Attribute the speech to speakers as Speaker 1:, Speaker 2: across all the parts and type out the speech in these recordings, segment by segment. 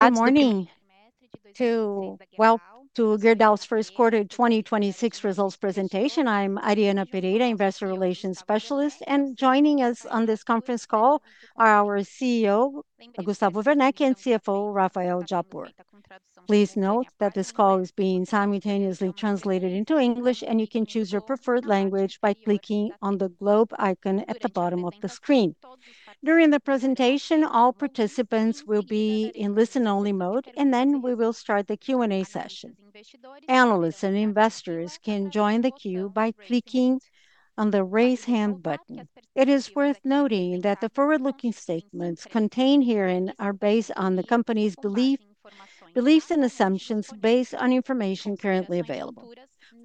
Speaker 1: Good morning to Gerdau's first quarter 2026 results presentation. I'm Ariana Pereira, Investor Relations Specialist, and joining us on this conference call are our CEO, Gustavo Werneck and CFO, Rafael Japur. Please note that this call is being simultaneously translated into English. You can choose your preferred language by clicking on the globe icon at the bottom of the screen. During the presentation, all participants will be in listen-only mode. Then we will start the Q&A session. Analysts and investors can join the queue by clicking on the Raise Hand button. It is worth noting that the forward-looking statements contained herein are based on the company's beliefs and assumptions based on information currently available.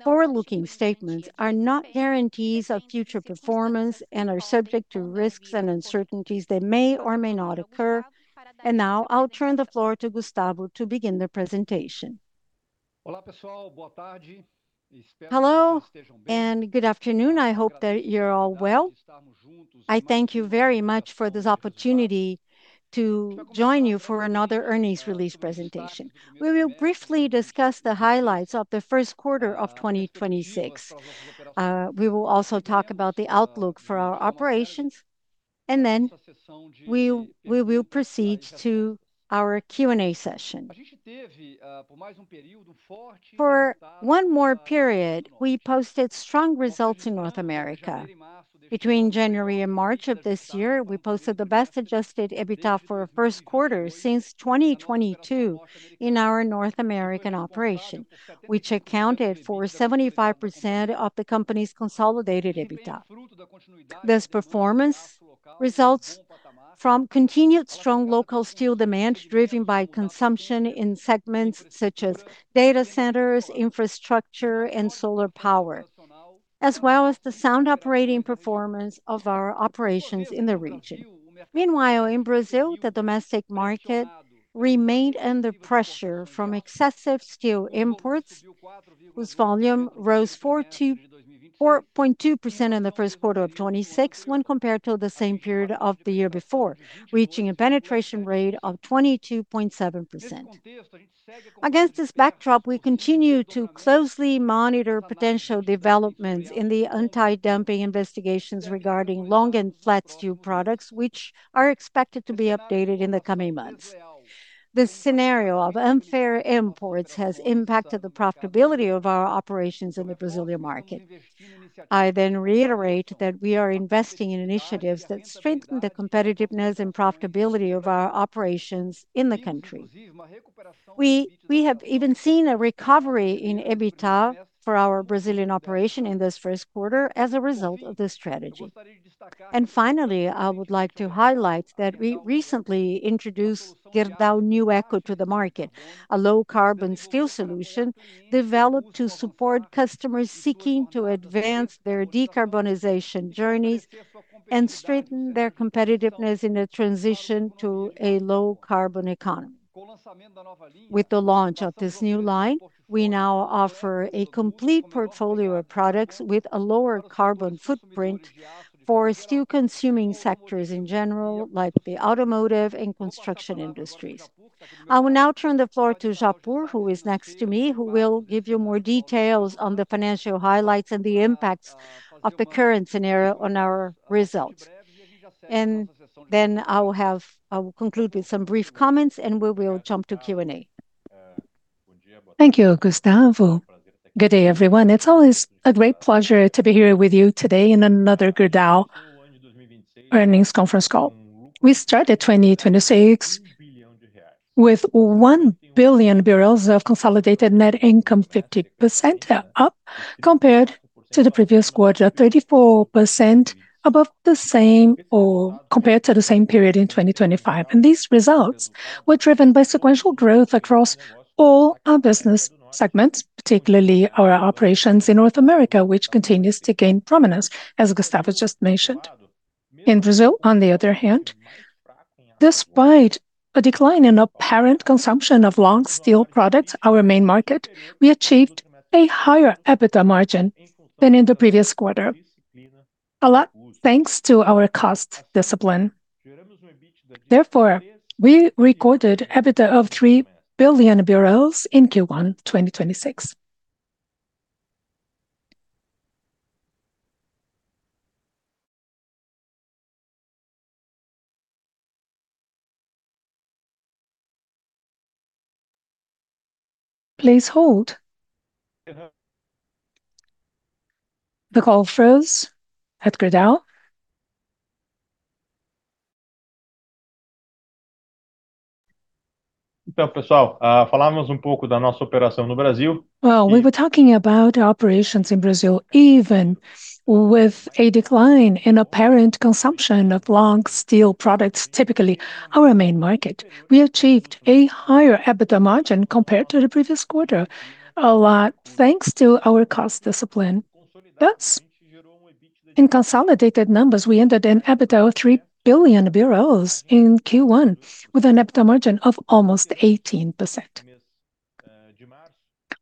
Speaker 1: Forward-looking statements are not guarantees of future performance and are subject to risks and uncertainties that may or may not occur. Now I'll turn the floor to Gustavo to begin the presentation.
Speaker 2: Hello, good afternoon. I hope that you're all well. I thank you very much for this opportunity to join you for another earnings release presentation. We will briefly discuss the highlights of the first quarter of 2026. We will also talk about the outlook for our operations, then we will proceed to our Q&A session. For one more period, we posted strong results in North America. Between January and March of this year, we posted the best-adjusted EBITDA for a first quarter since 2022 in our North American operation, which accounted for 75% of the company's consolidated EBITDA. This performance results from continued strong local steel demand, driven by consumption in segments such as data centers, infrastructure, and solar power, as well as the sound operating performance of our operations in the region. Meanwhile, in Brazil, the domestic market remained under pressure from excessive steel imports, whose volume rose 4%-4.2% in the first quarter of 2026 when compared to the same period of the year before, reaching a penetration rate of 22.7%. Against this backdrop, we continue to closely monitor potential developments in the anti-dumping investigations regarding long and flat steel products, which are expected to be updated in the coming months. This scenario of unfair imports has impacted the profitability of our operations in the Brazilian market. I reiterate that we are investing in initiatives that strengthen the competitiveness and profitability of our operations in the country. We have even seen a recovery in EBITDA for our Brazilian operation in this first quarter as a result of this strategy. Finally, I would like to highlight that we recently introduced Gerdau NewEco to the market, a low-carbon steel solution developed to support customers seeking to advance their decarbonization journeys and strengthen their competitiveness in a transition to a low-carbon economy. With the launch of this new line, we now offer a complete portfolio of products with a lower carbon footprint for steel-consuming sectors in general, like the automotive and construction industries. I will now turn the floor to Japur, who is next to me, who will give you more details on the financial highlights and the impacts of the current scenario on our results. Then I will conclude with some brief comments, and we will jump to Q&A.
Speaker 3: Thank you, Gustavo. Good day, everyone. It's always a great pleasure to be here with you today in another Gerdau earnings conference call. We started 2026 with 1 billion BRL of consolidated net income, 50% up compared to the previous quarter, 34% above the same, or compared to the same period in 2025. These results were driven by sequential growth across all our business segments, particularly our operations in North America, which continues to gain prominence, as Gustavo just mentioned. In Brazil, on the other hand, despite a decline in apparent consumption of long steel products, our main market, we achieved a higher EBITDA margin than in the previous quarter, a lot thanks to our cost discipline. Therefore, we recorded EBITDA of 3 billion BRL in Q1 2026. Please hold. The call froze at Gerdau. Well, we were talking about our operations in Brazil. Even with a decline in apparent consumption of long steel products, typically our main market, we achieved a higher EBITDA margin compared to the previous quarter, a lot thanks to our cost discipline. In consolidated numbers, we ended in EBITDA of 3 billion BRL in Q1, with an EBITDA margin of almost 18%.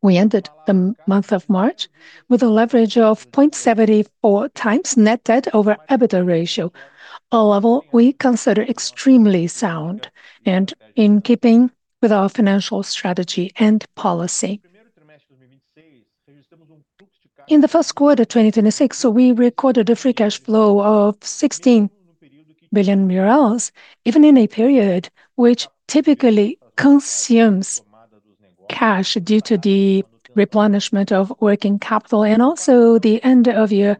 Speaker 3: We ended the month of March with a leverage of 0.74 times Net Debt to EBITDA ratio, a level we consider extremely sound and in keeping with our financial strategy and policy. In the first quarter, 2026, we recorded a Free Cash Flow of BRL 16 billion, even in a period which typically consumes cash due to the replenishment of working capital and also the end of year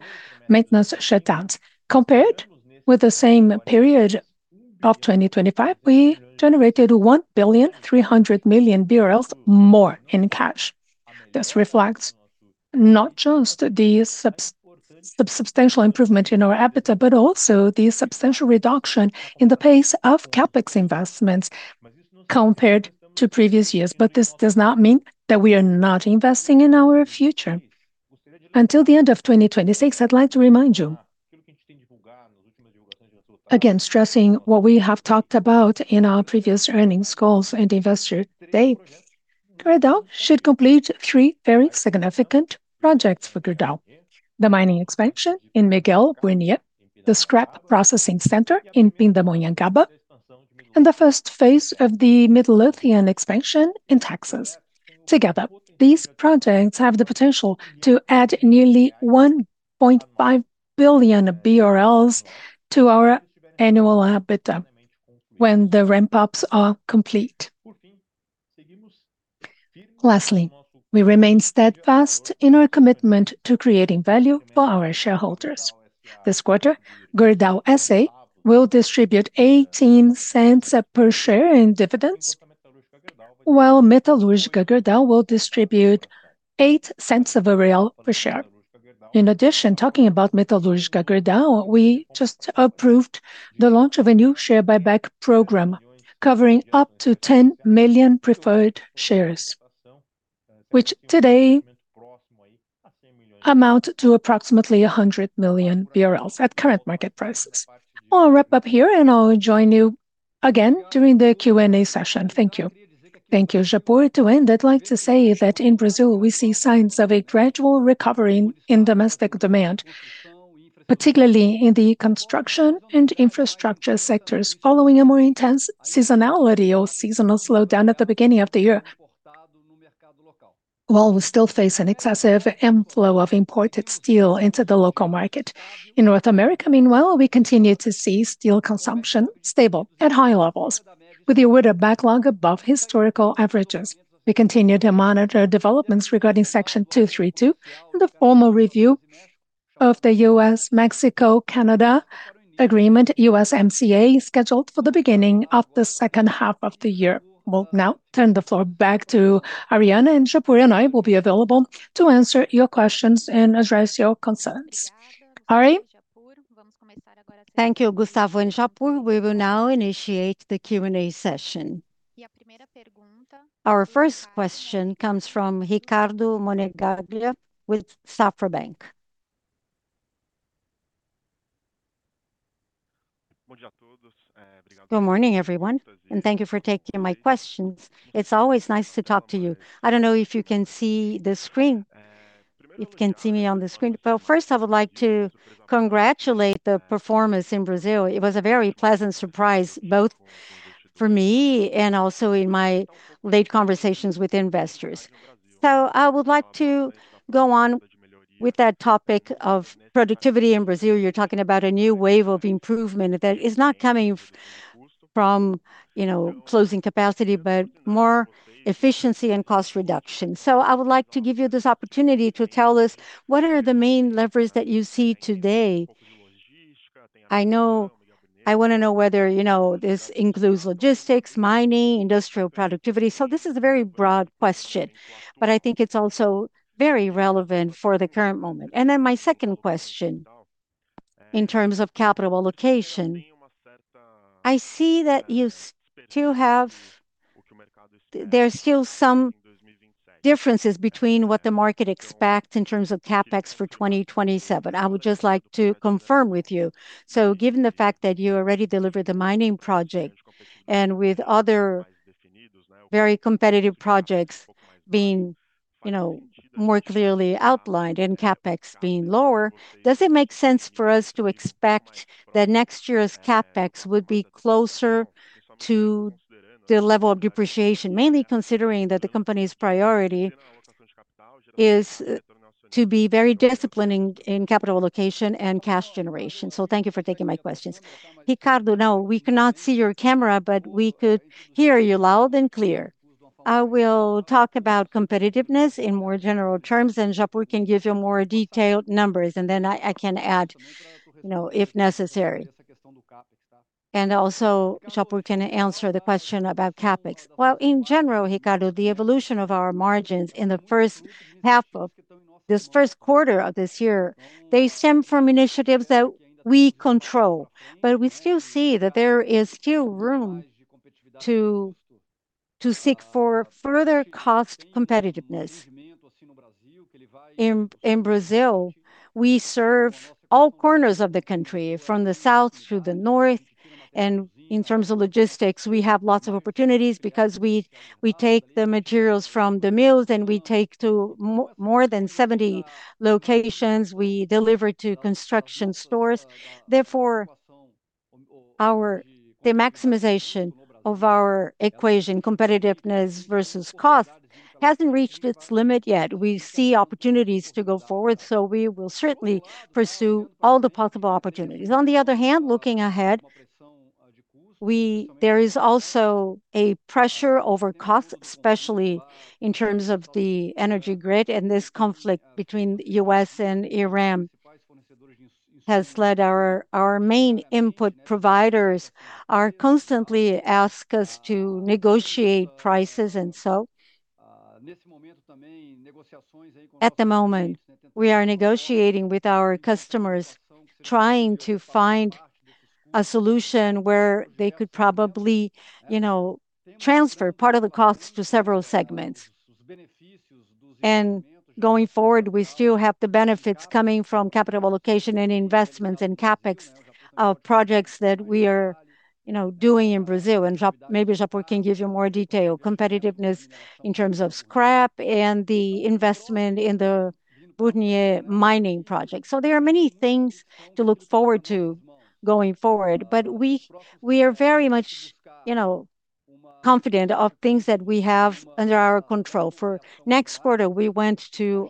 Speaker 3: maintenance shutdowns. Compared with the same period of 2025, we generated 1.3 billion more in cash. This reflects not just the substantial improvement in our EBITDA, but also the substantial reduction in the pace of CapEx investments compared to previous years. This does not mean that we are not investing in our future. Until the end of 2026, I'd like to remind you. Again, stressing what we have talked about in our previous earnings calls and investor dates, Gerdau should complete three very significant projects for Gerdau: the mining expansion in Miguel Burnier, the scrap processing center in Pindamonhangaba, and the first phase of the Midlothian expansion in Texas. Together, these projects have the potential to add nearly 1.5 billion BRL to our annual EBITDA when the ramp-ups are complete. Lastly, we remain steadfast in our commitment to creating value for our shareholders. This quarter, Gerdau S.A. will distribute 0.18 per share in dividends, while Metalúrgica Gerdau will distribute 0.08 per share. In addition, talking about Metalúrgica Gerdau, we just approved the launch of a new share buyback program covering up to 10 million preferred shares, which today amount to approximately 100 million BRL at current market prices. I'll wrap up here, and I'll join you again during the Q&A session. Thank you.
Speaker 2: Thank you, Japur. To end, I'd like to say that in Brazil, we see signs of a gradual recovery in domestic demand, particularly in the construction and infrastructure sectors following a more intense seasonality or seasonal slowdown at the beginning of the year. While we still face an excessive inflow of imported steel into the local market. In North America, meanwhile, we continue to see steel consumption stable at high levels with the order backlog above historical averages. We continue to monitor developments regarding Section 232 and the formal review of the United States-Mexico-Canada Agreement, USMCA, scheduled for the beginning of the second half of the year. We will now turn the floor back to Ariana. Japur and I will be available to answer your questions and address your concerns. Ari?
Speaker 1: Thank you, Gustavo and Japur. We will now initiate the Q&A session. Our first question comes from Ricardo Monegaglia with Safra Bank.
Speaker 4: Good morning, everyone. Thank you for taking my questions. It's always nice to talk to you. I don't know if you can see the screen. If you can see me on the screen. First, I would like to congratulate the performance in Brazil. It was a very pleasant surprise, both for me and also in my late conversations with investors. I would like to go on with that topic of productivity in Brazil. You're talking about a new wave of improvement that is not coming from, you know, closing capacity, but more efficiency and cost reduction. I would like to give you this opportunity to tell us what are the main levers that you see today. I want to know whether, you know, this includes logistics, mining, industrial productivity. This is a very broad question, but I think it's also very relevant for the current moment. My second question, in terms of capital allocation, there are still some differences between what the market expects in terms of CapEx for 2027. I would just like to confirm with you. Given the fact that you already delivered the mining project and with other very competitive projects being, you know, more clearly outlined and CapEx being lower, does it make sense for us to expect that next year's CapEx would be closer to the level of depreciation, mainly considering that the company's priority is to be very disciplined in capital allocation and cash generation? Thank you for taking my questions.
Speaker 2: Ricardo, no, we cannot see your camera, but we could hear you loud and clear. I will talk about competitiveness in more general terms. Japur can give you more detailed numbers. Then I can add, you know, if necessary. Also, Japur can answer the question about CapEx. Well, in general, Ricardo, the evolution of our margins in the first half of this first quarter of this year, they stem from initiatives that we control. We still see that there is still room to seek for further cost competitiveness. In Brazil, we serve all corners of the country, from the south to the north. In terms of logistics, we have lots of opportunities because we take the materials from the mills, and we take to more than 70 locations. We deliver to construction stores. The maximization of our equation, competitiveness versus cost, hasn't reached its limit yet. We see opportunities to go forward, so we will certainly pursue all the possible opportunities. On the other hand, looking ahead, there is also a pressure over costs, especially in terms of the energy grid and this conflict between the U.S. and Iran has led our main input providers are constantly ask us to negotiate prices. At the moment, we are negotiating with our customers, trying to find a solution where they could probably, you know, transfer part of the costs to several segments. Going forward, we still have the benefits coming from capital allocation and investments in CapEx projects that we are, you know, doing in Brazil. Maybe Rafael Japur can give you more detail. Competitiveness in terms of scrap and the investment in the Miguel Burnier mining project. There are many things to look forward to going forward. We are very much, you know, confident of things that we have under our control. For next quarter, we want to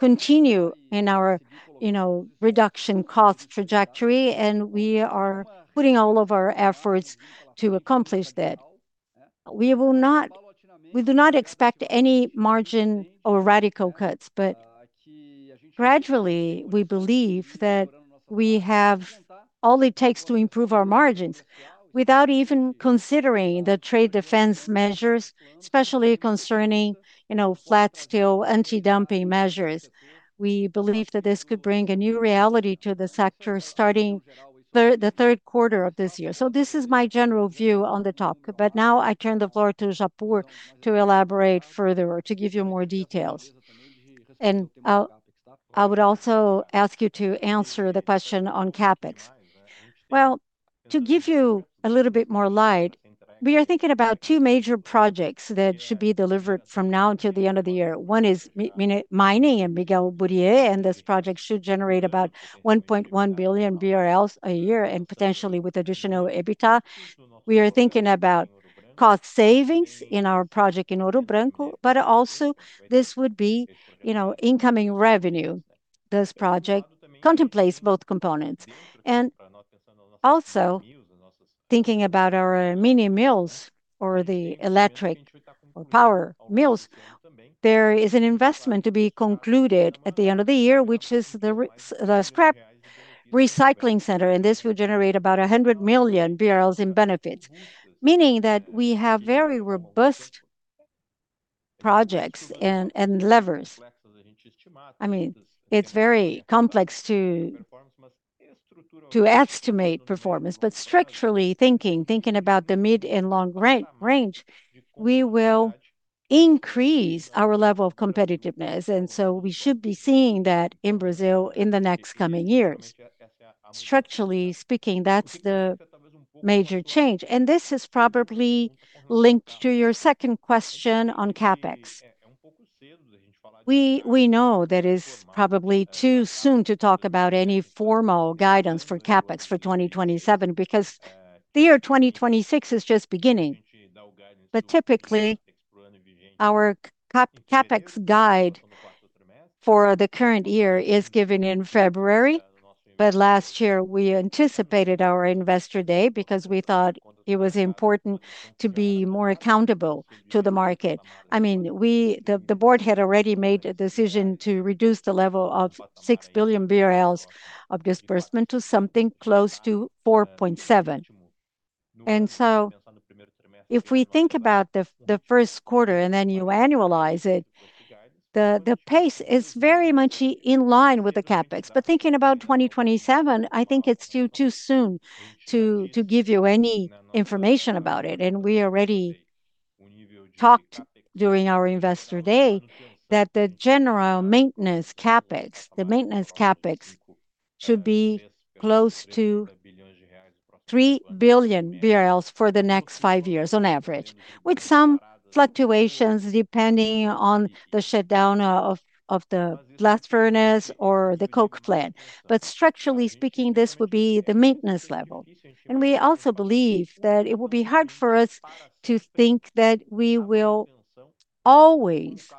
Speaker 2: continue in our, you know, reduction cost trajectory, and we are putting all of our efforts to accomplish that. We do not expect any margin or radical cuts. Gradually, we believe that we have all it takes to improve our margins without even considering the trade defense measures, especially concerning, you know, flat steel, anti-dumping measures. We believe that this could bring a new reality to the sector starting the third quarter of this year. This is my general view on the topic. Now I turn the floor to Japur to elaborate further or to give you more details. I would also ask you to answer the question on CapEx.
Speaker 3: Well, to give you a little bit more light, we are thinking about two major projects that should be delivered from now until the end of the year. One is mining in Miguel Burnier, and this project should generate about 1.1 billion BRL a year and potentially with additional EBITDA. We are thinking about cost savings in our project in Ouro Branco, but also this would be, you know, incoming revenue. This project contemplates both components. Also thinking about our mini mills or the electric or power mills, there is an investment to be concluded at the end of the year, which is the scrap recycling center, and this will generate about 100 million BRL in benefits. Meaning that we have very robust projects and levers. I mean, it's very complex to estimate performance. Structurally thinking about the mid and long range, we will increase our level of competitiveness, we should be seeing that in Brazil in the next coming years. Structurally speaking, that's the major change. This is probably linked to your second question on CapEx. We know that it's probably too soon to talk about any formal guidance for CapEx for 2027 because the year 2026 is just beginning. Typically, our CapEx guide for the current year is given in February. Last year, we anticipated our Investor Day because we thought it was important to be more accountable to the market. I mean, we the board had already made a decision to reduce the level of 6 billion BRL of disbursement to something close to 4.7 billion. If we think about the 1st quarter, and then you annualize it, the pace is very much in line with the CapEx. Thinking about 2027, I think it's still too soon to give you any information about it. We already talked during our Investor Day that the general maintenance CapEx, the maintenance CapEx should be close to 3 billion BRL for the next five years on average, with some fluctuations depending on the shutdown of the blast furnace or the coke plant. Structurally speaking, this would be the maintenance level. We also believe that it will be hard for us to think that we will always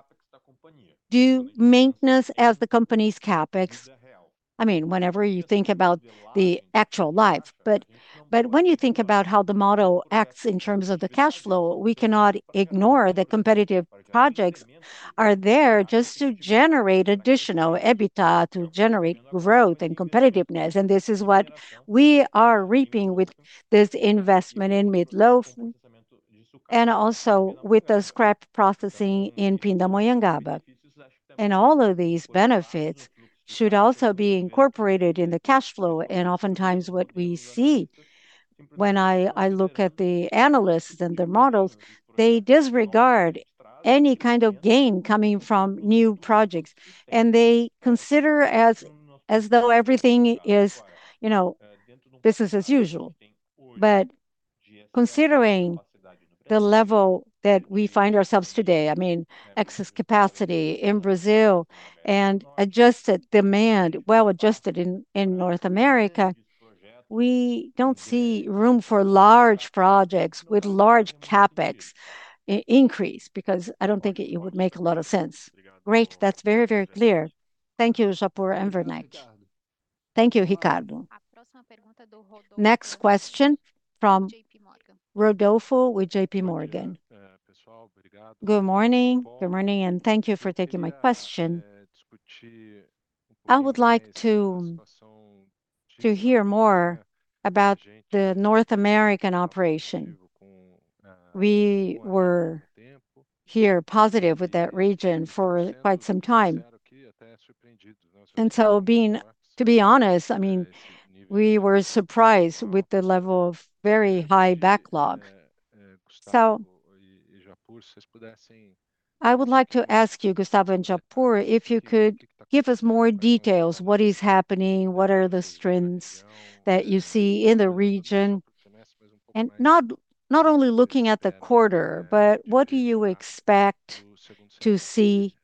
Speaker 3: do maintenance as the company's CapEx. I mean, whenever you think about the actual life. When you think about how the model acts in terms of the cash flow, we cannot ignore the competitive projects are there just to generate additional EBITDA to generate growth and competitiveness. This is what we are reaping with this investment in Midlothian and also with the scrap processing in Pindamonhangaba. All of these benefits should also be incorporated in the cash flow. Oftentimes, what we see when I look at the analysts and their models, they disregard any kind of gain coming from new projects, and they consider as though everything is, you know, business as usual. Considering the level that we find ourselves today, I mean, excess capacity in Brazil and adjusted demand, well adjusted in North America, we don't see room for large projects with large CapEx increase because I don't think it would make a lot of sense.
Speaker 4: Great. That's very, very clear. Thank you, Japur and Werneck.
Speaker 3: Thank you, Ricardo.
Speaker 1: Next question from Rodolfo with JPMorgan.
Speaker 5: Good morning. Good morning, thank you for taking my question. I would like to hear more about the North American operation. We were here positive with that region for quite some time. To be honest, I mean, we were surprised with the level of very high backlog. I would like to ask you, Gustavo and Japur, if you could give us more details, what is happening, what are the strengths that you see in the region? Not only looking at the quarter, but what do you expect to see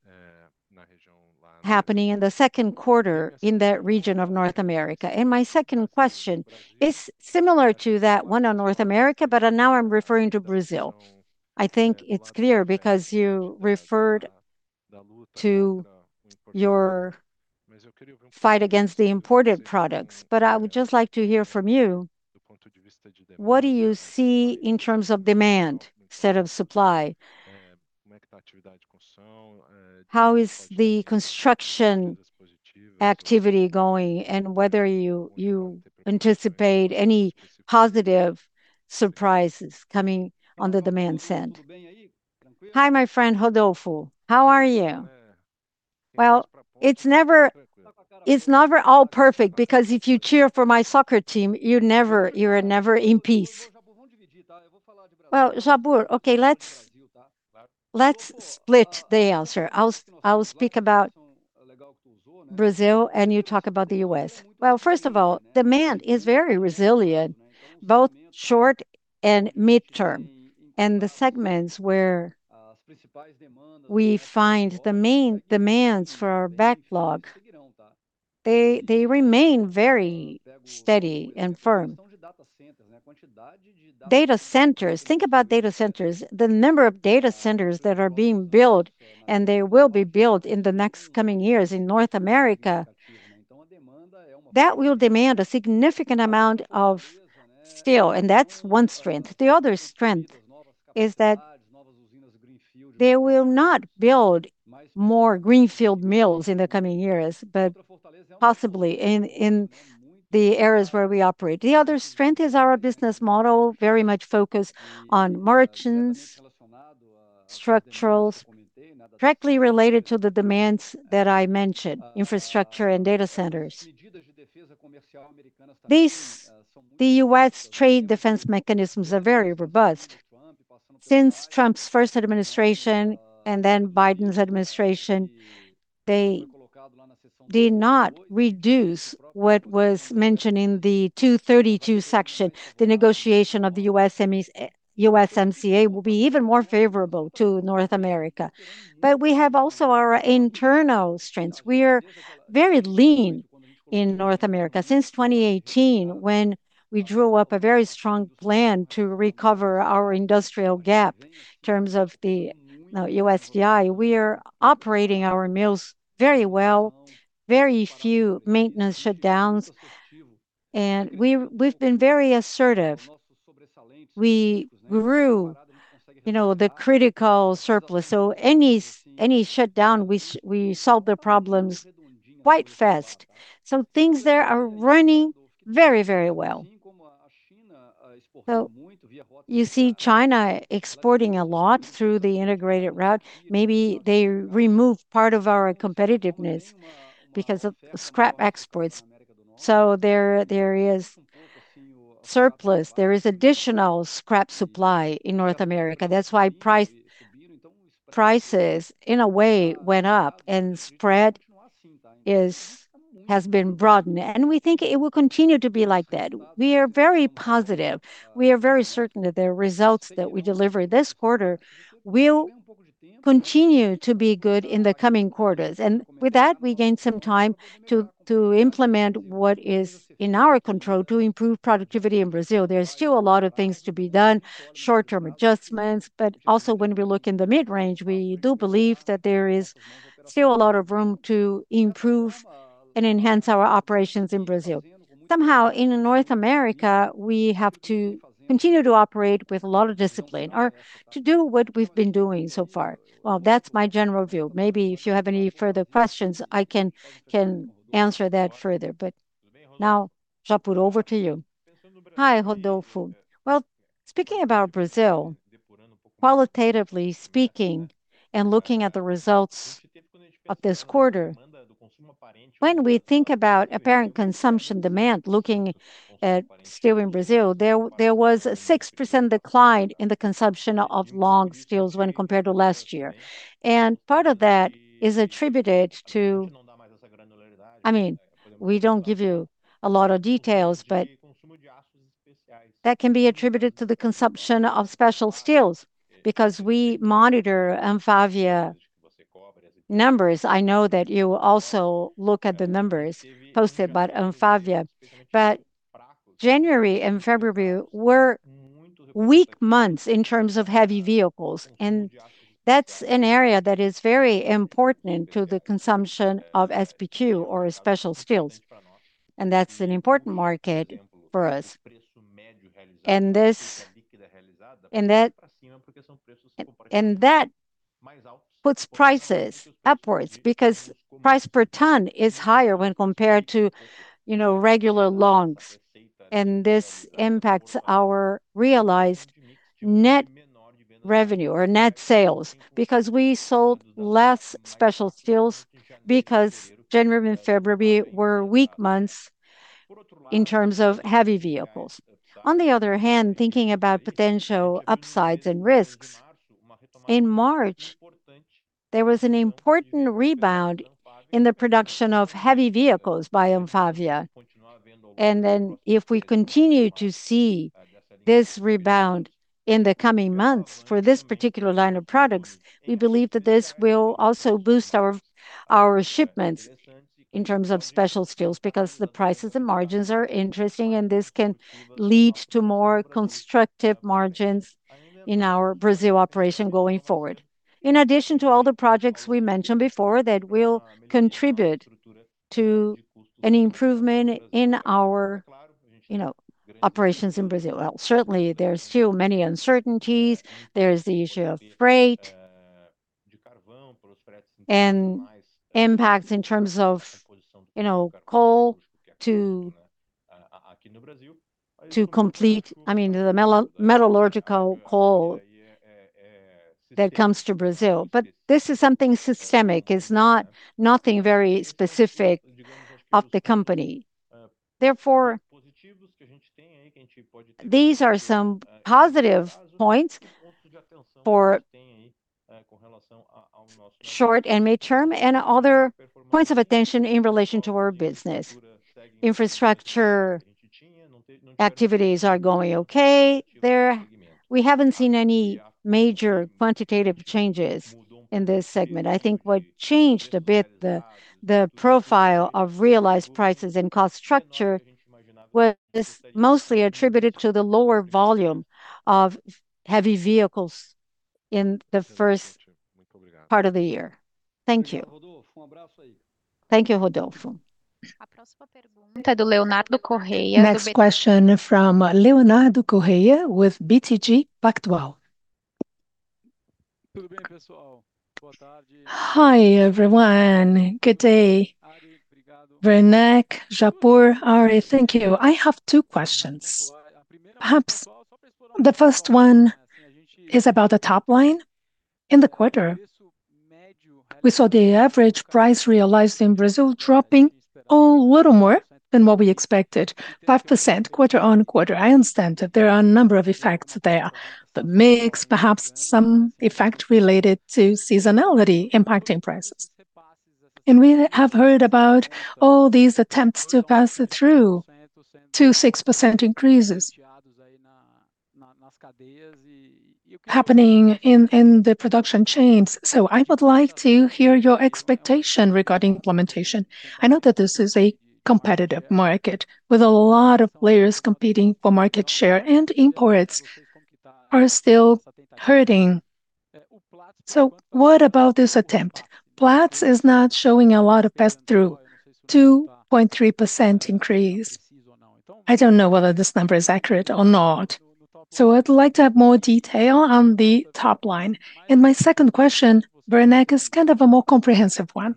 Speaker 5: happening in the second quarter in that region of North America? My second question is similar to that one on North America, but now I'm referring to Brazil. I think it's clear because you referred to your fight against the imported products. I would just like to hear from you, what do you see in terms of demand instead of supply? How is the construction activity going, and whether you anticipate any positive surprises coming on the demand end.
Speaker 2: Hi, my friend Rodolfo. How are you? It's never, it's never all perfect because if you cheer for my soccer team, you're never, you're never in peace. Japur, okay, let's split the answer. I'll speak about Brazil, and you talk about the U.S. First of all, demand is very resilient, both short and mid-term. The segments where we find the main demands for our backlog, they remain very steady and firm. Data centers. Think about data centers. The number of data centers that are being built, and they will be built in the next coming years in North America, that will demand a significant amount of steel, and that's one strength. The other strength is that they will not build more greenfield mills in the coming years, but possibly in the areas where we operate. The other strength is our business model, very much focused on margins, structurals, directly related to the demands that I mentioned, infrastructure and data centers. These, the U.S. trade defense mechanisms are very robust. Since Trump's first administration and then Biden's administration, they did not reduce what was mentioned in the Section 232. The negotiation of the USMCA will be even more favorable to North America. We have also our internal strengths. We are very lean in North America. Since 2018 when we drew up a very strong plan to recover our industrial gap in terms of the USDI. We are operating our mills very well, very few maintenance shutdowns, and we've been very assertive. We grew, you know, the critical surplus. Any shutdown, we solve the problems quite fast. Things there are running very, very well. You see China exporting a lot through the integrated route. Maybe they removed part of our competitiveness because of scrap exports. There is surplus. There is additional scrap supply in North America. That's why prices in a way went up and spread has been broadened, and we think it will continue to be like that. We are very positive. We are very certain that the results that we deliver this quarter will continue to be good in the coming quarters. With that, we gain some time to implement what is in our control to improve productivity in Brazil. There's still a lot of things to be done, short-term adjustments. Also when we look in the mid-range, we do believe that there is still a lot of room to improve and enhance our operations in Brazil. Somehow in North America, we have to continue to operate with a lot of discipline or to do what we've been doing so far. Well, that's my general view. Maybe if you have any further questions, I can answer that further. Now, Japur, over to you.
Speaker 3: Hi, Rodolfo. Well, speaking about Brazil, qualitatively speaking and looking at the results of this quarter, when we think about apparent consumption demand, looking at steel in Brazil, there was a 6% decline in the consumption of long steels when compared to last year. I mean, we don't give you a lot of details. That can be attributed to the consumption of special steels because we monitor Anfavea numbers. I know that you also look at the numbers posted by Anfavea. January and February were weak months in terms of heavy vehicles, and that's an area that is very important to the consumption of SBQ or special steels, and that's an important market for us. That puts prices upwards because price per ton is higher when compared to, you know, regular longs. This impacts our realized net revenue or net sales because we sold less special steels because January and February were weak months in terms of heavy vehicles. On the other hand, thinking about potential upsides and risks, in March, there was an important rebound in the production of heavy vehicles by Anfavea. If we continue to see this rebound in the coming months for this particular line of products, we believe that this will also boost our shipments in terms of special steels because the prices and margins are interesting and this can lead to more constructive margins in our Brazil operation going forward. In addition to all the projects we mentioned before that will contribute to an improvement in our, you know, operations in Brazil. Well, certainly there's still many uncertainties. There is the issue of freight. Impacts in terms of, you know, coal to complete, I mean, the metallurgical coal that comes to Brazil. This is something systemic. It's not nothing very specific of the company. These are some positive points for short- and mid-term and other points of attention in relation to our business. Infrastructure activities are going okay. There we haven't seen any major quantitative changes in this segment. I think what changed a bit the profile of realized prices and cost structure was mostly attributed to the lower volume of heavy vehicles in the first part of the year.
Speaker 5: Thank you.
Speaker 3: Thank you, Rodolfo.
Speaker 1: Next question from Leonardo Correa with BTG Pactual.
Speaker 6: Hi, everyone. Good day. Werneck, Japur, Ari. Thank you. I have two questions. Perhaps the first one is about the top line. In the quarter, we saw the average price realized in Brazil dropping a little more than what we expected, 5% quarter-on-quarter. I understand that there are a number of effects there, but mix perhaps some effect related to seasonality impacting prices. We have heard about all these attempts to pass it through to 6% increases happening in the production chains. I would like to hear your expectation regarding implementation. I know that this is a competitive market with a lot of players competing for market share, and imports are still hurting. What about this attempt? Platts is not showing a lot of pass-through, 2.3% increase. I don't know whether this number is accurate or not. I'd like to have more detail on the top line. My second question, Werneck, is kind of a more comprehensive one.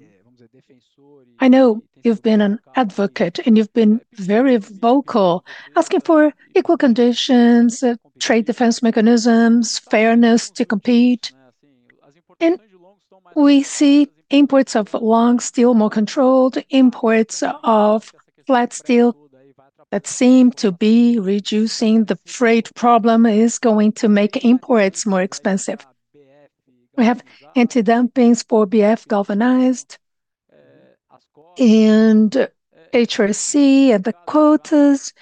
Speaker 6: I know you've been an advocate, and you've been very vocal asking for equal conditions, trade defense mechanisms, fairness to compete. We see imports of long steel more controlled, imports of flat steel that seem to be reducing. The freight problem is going to make imports more expensive. We have antidumping for BF galvanized, and HRC and the quotas.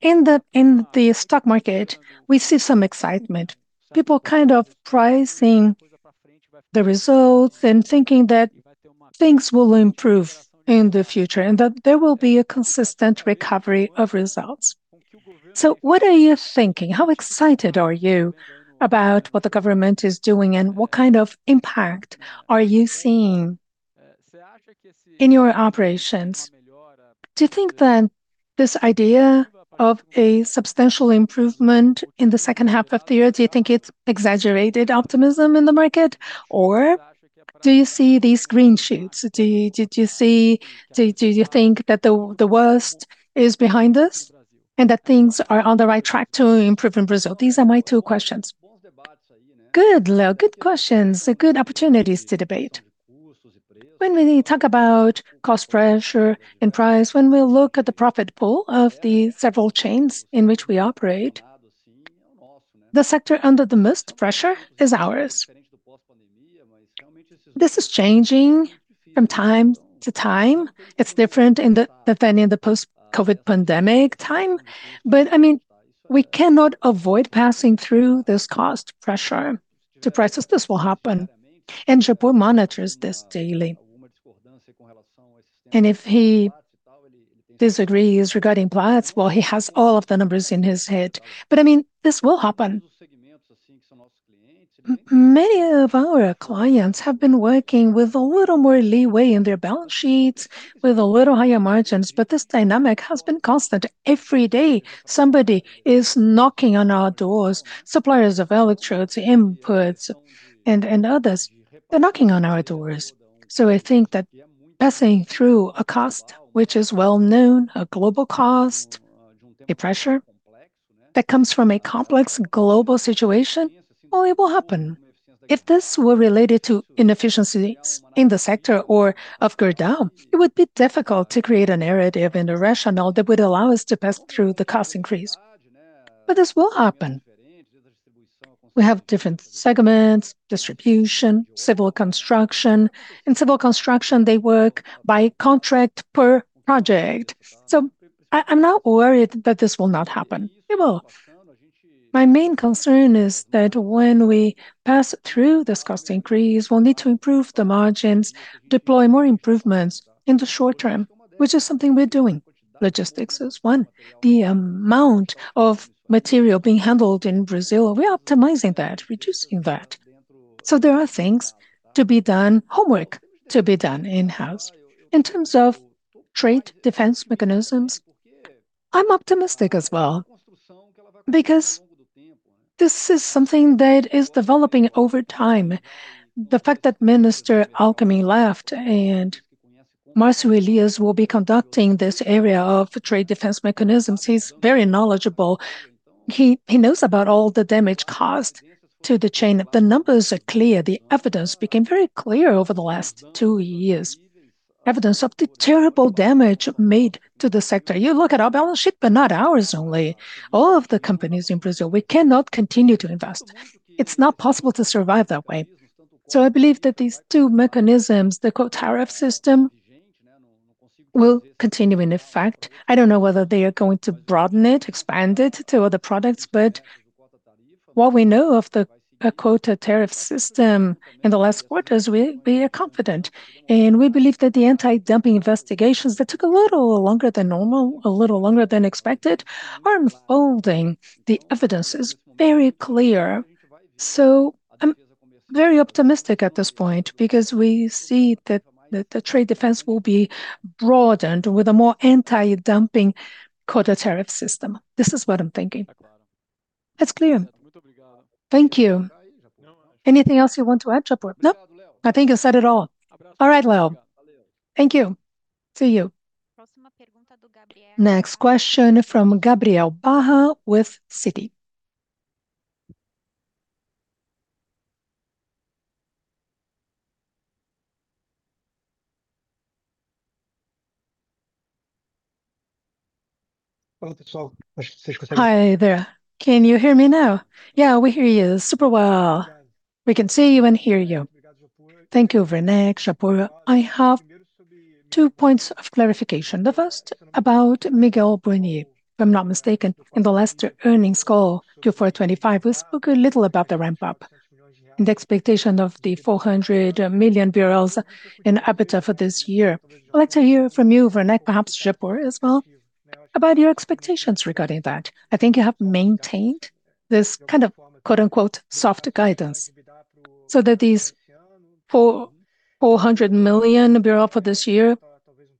Speaker 6: In the stock market, we see some excitement. People kind of pricing the results and thinking that things will improve in the future, and that there will be a consistent recovery of results. What are you thinking? How excited are you about what the government is doing, and what kind of impact are you seeing in your operations? Do you think that this idea of a substantial improvement in the second half of the year, do you think it's exaggerated optimism in the market, or do you see these green shoots? Do you think that the worst is behind us and that things are on the right track to improve in Brazil? These are my two questions.
Speaker 2: Good. Look, good questions. They're good opportunities to debate. When we talk about cost pressure and price, when we look at the profit pool of the several chains in which we operate, the sector under the most pressure is ours. This is changing from time to time. It's different in the, than in the post-COVID pandemic time. I mean, we cannot avoid passing through this cost pressure to prices. This will happen. Japur monitors this daily. If he disagrees regarding platts, well, he has all of the numbers in his head. I mean, this will happen. Many of our clients have been working with a little more leeway in their balance sheets, with a little higher margins, this dynamic has been constant. Every day somebody is knocking on our doors, suppliers of electrodes, inputs, and others. They're knocking on our doors. I think that passing through a cost which is well-known, a global cost, a pressure that comes from a complex global situation, well, it will happen. If this were related to inefficiencies in the sector or of Gerdau, it would be difficult to create a narrative and a rationale that would allow us to pass through the cost increase. This will happen. We have different segments, distribution, civil construction. In civil construction they work by contract per project. I'm not worried that this will not happen. It will. My main concern is that when we pass through this cost increase, we'll need to improve the margins, deploy more improvements in the short term, which is something we're doing. Logistics is one. The amount of material being handled in Brazil, we're optimizing that, reducing that. There are things to be done, homework to be done in-house. In terms of trade defense mechanisms, I'm optimistic as well because this is something that is developing over time. The fact that Minister Alckmin left and Márcio Elias will be conducting this area of trade defense mechanisms, he is very knowledgeable. He knows about all the damage caused to the chain. The numbers are clear. The evidence became very clear over the last two years, evidence of the terrible damage made to the sector. You look at our balance sheet, but not ours only. All of the companies in Brazil, we cannot continue to invest. It is not possible to survive that way. I believe that these two mechanisms, the quota tariff system, will continue in effect. I do not know whether they are going to broaden it, expand it to other products. What we know of the quota tariff system in the last quarters, we are confident, and we believe that the anti-dumping investigations that took a little longer than normal, a little longer than expected, are unfolding. The evidence is very clear. I'm very optimistic at this point because we see that the trade defense will be broadened with a more anti-dumping quota tariff system. This is what I'm thinking.
Speaker 6: It's clear. Thank you.
Speaker 2: Anything else you want to add, Japur?
Speaker 3: Nope. I think I said it all.
Speaker 2: All right, Leo. Thank you. See you.
Speaker 1: Next question from Gabriel Barra with Citi.
Speaker 7: Hi there. Can you hear me now?
Speaker 2: Yeah, we hear you super well. We can see you and hear you.
Speaker 7: Thank you, Werneck, Japur. I have two points of clarification. The first about Miguel Burnier if I'm not mistaken. In the last earnings call Q4 2025, we spoke a little about the ramp-up and the expectation of the 400 million BRL in EBITDA for this year. I'd like to hear from you, Werneck, perhaps Japur as well, about your expectations regarding that. I think you have maintained this kind of, quote unquote, "soft guidance," these 400 million for this year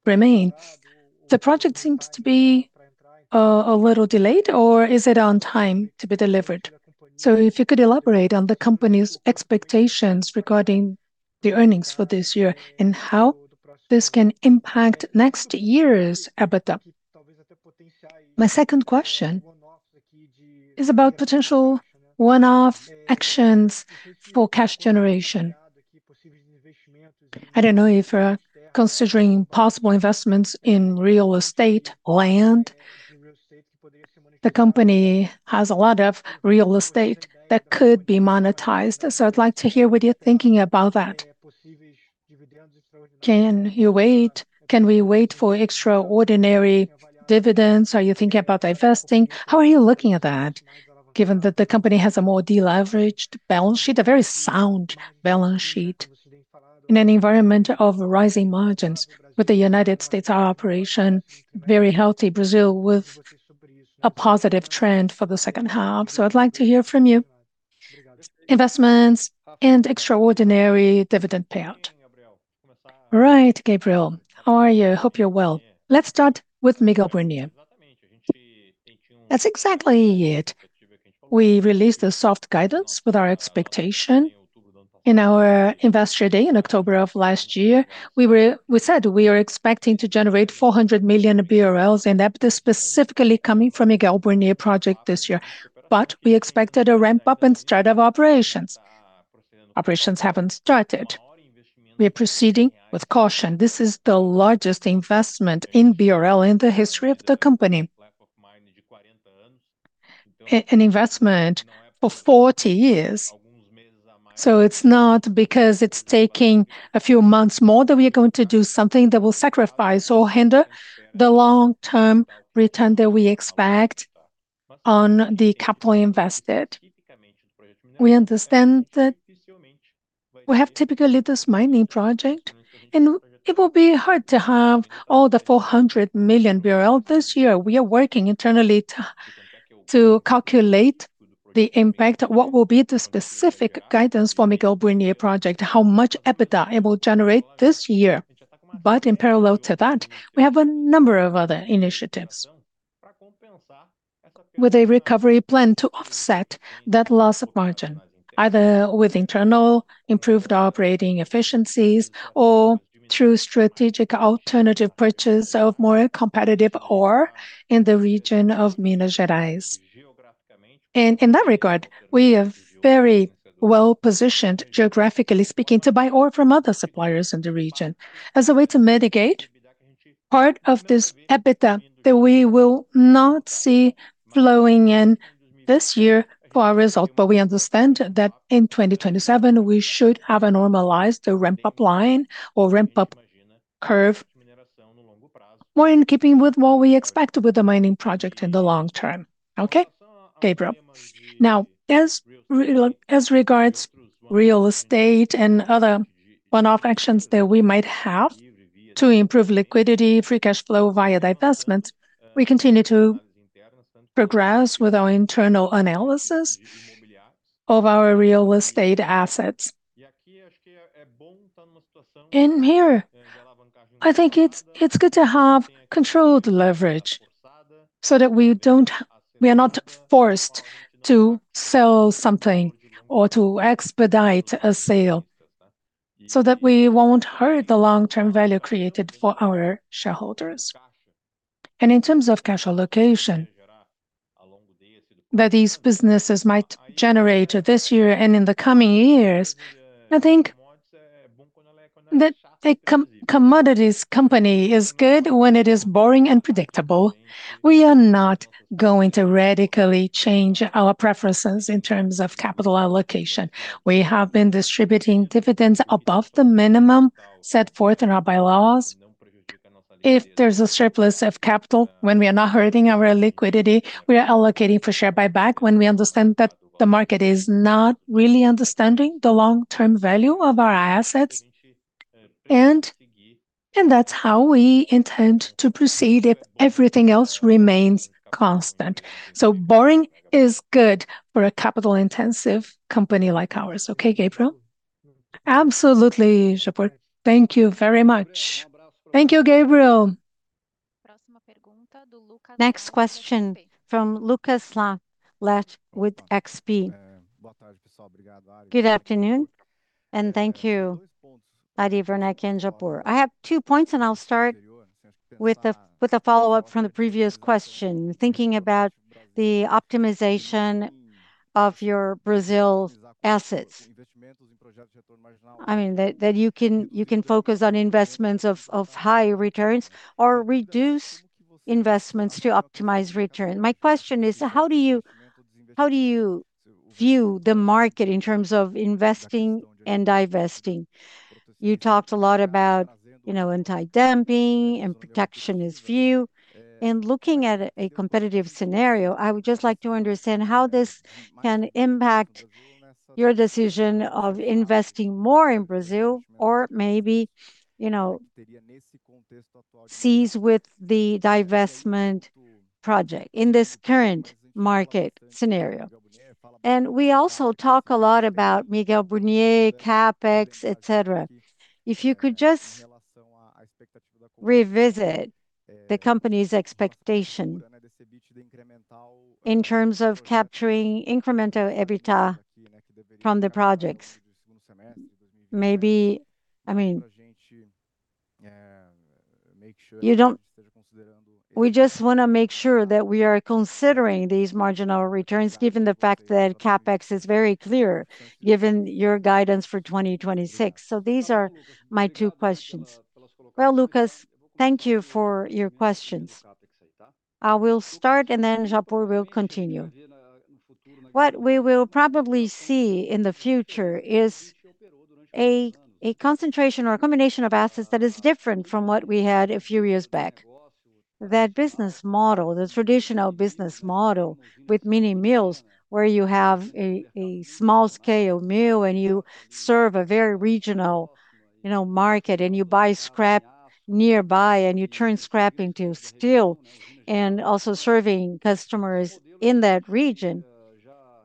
Speaker 7: remains. The project seems to be a little delayed, or is it on time to be delivered? If you could elaborate on the company's expectations regarding the earnings for this year and how this can impact next year's EBITDA. My second question is about potential one-off actions for cash generation. I don't know if you're considering possible investments in real estate, land. The company has a lot of real estate that could be monetized. I'd like to hear what you're thinking about that. Can you wait? Can we wait for extraordinary dividends? Are you thinking about divesting? How are you looking at that given that the company has a more de-leveraged balance sheet, a very sound balance sheet in an environment of rising margins with the United States, our operation very healthy, Brazil with a positive trend for the second half. I'd like to hear from you. Investments and extraordinary dividend payout.
Speaker 3: All right, Gabriel. How are you? Hope you're well. Let's start with Miguel Burnier. That's exactly it. We released a soft guidance with our expectation in our Investor Day in October of last year. We said we are expecting to generate 400 million BRL in EBITDA specifically coming from Miguel Burnier project this year. We expected a ramp-up and start of operations. Operations haven't started. We are proceeding with caution. This is the largest investment in BRL in the history of the company, an investment for 40 years. It's not because it's taking a few months more that we are going to do something that will sacrifice or hinder the long-term return that we expect on the capital invested. We understand that we have typically this mining project, and it will be hard to have all the 400 million barrel this year. We are working internally to calculate the impact, what will be the specific guidance for Miguel Burnier project, how much EBITDA it will generate this year. In parallel to that, we have a number of other initiatives with a recovery plan to offset that loss of margin, either with internal improved operating efficiencies or through strategic alternative purchase of more competitive ore in the region of Minas Gerais. In that regard, we are very well-positioned, geographically speaking, to buy ore from other suppliers in the region as a way to mitigate part of this EBITDA that we will not see flowing in this year for our result. We understand that in 2027 we should have a normalized the ramp-up line or ramp-up curve more in keeping with what we expect with the mining project in the long term. Okay, Gabriel. As regards real estate and other one-off actions that we might have to improve liquidity, Free Cash Flow via divestment, we continue to progress with our internal analysis of our real estate assets. Here I think it's good to have controlled leverage so that we are not forced to sell something or to expedite a sale so that we won't hurt the long-term value created for our shareholders. In terms of cash allocation that these businesses might generate this year and in the coming years, I think that a commodities company is good when it is boring and predictable. We are not going to radically change our preferences in terms of capital allocation. We have been distributing dividends above the minimum set forth in our bylaws. If there's a surplus of capital, when we are not hurting our liquidity, we are allocating for share buyback when we understand that the market is not really understanding the long-term value of our assets. That's how we intend to proceed if everything else remains constant. Boring is good for a capital intensive company like ours. Okay, Gabriel?
Speaker 7: Absolutely, Japur. Thank you very much.
Speaker 3: Thank you, Gabriel.
Speaker 1: Next question from Lucas Laghi with XP.
Speaker 8: Good afternoon. Thank you, Ari Werneck and Japur. I have two points. I'll start with a follow-up from the previous question. Thinking about the optimization of your Brazil assets. I mean, that you can focus on investments of high returns or reduce investments to optimize return. My question is, how do you view the market in terms of investing and divesting? You talked a lot about, you know, anti-dumping and protectionist view. In looking at a competitive scenario, I would just like to understand how this can impact your decision of investing more in Brazil or maybe, you know, cease with the divestment project in this current market scenario. We also talk a lot about Miguel Burnier, CapEx, et cetera. If you could just revisit the company's expectation in terms of capturing incremental EBITDA from the projects. Maybe, I mean, We just wanna make sure that we are considering these marginal returns given the fact that CapEx is very clear given your guidance for 2026. These are my two questions.
Speaker 2: Well, Lucas Laghi, thank you for your questions. I will start, and then Rafael Japur will continue. What we will probably see in the future is a concentration or a combination of assets that is different from what we had a few years back. That business model, the traditional business model with many mills, where you have a small scale mill, and you serve a very regional, you know, market, and you buy scrap nearby, and you turn scrap into steel, and also serving customers in that region.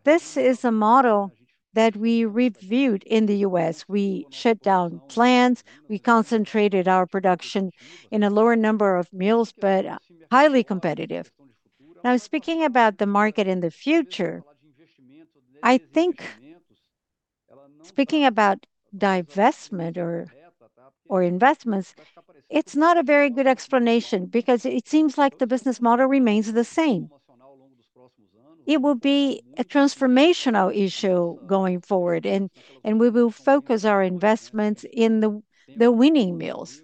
Speaker 2: This is a model that we reviewed in the U.S. We shut down plants. We concentrated our production in a lower number of mills, but highly competitive. Now speaking about the market in the future, I think speaking about divestment or investments, it's not a very good explanation because it seems like the business model remains the same. It will be a transformational issue going forward, and we will focus our investments in the winning mills.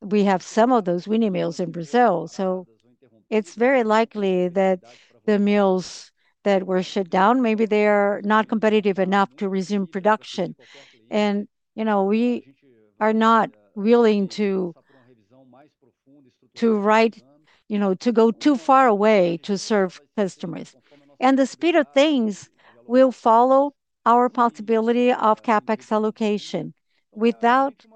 Speaker 3: We have some of those winning mills in Brazil. It's very likely that the mills that were shut down, maybe they're not competitive enough to resume production and, you know, we are not willing to ride, you know, to go too far away to serve customers. The speed of things will follow our possibility of CapEx allocation without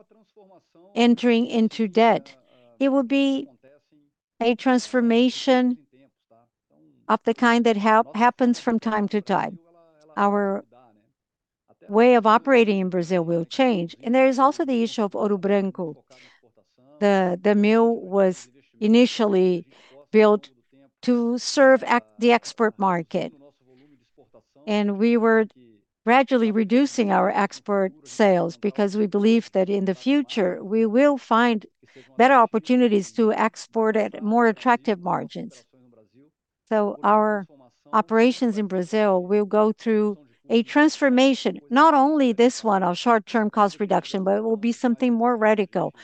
Speaker 3: entering into debt. It would be a transformation of the kind that happens from time to time. Our way of operating in Brazil will change. There is also the issue of Ouro Branco. The mill was initially built to serve the export market, and we were gradually reducing our export sales because we believe that in the future we will find better opportunities to export at more attractive margins. Our operations in Brazil will go through a transformation. Not only this one of short-term cost reduction, but it will be something more radical.